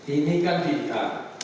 ini kan vda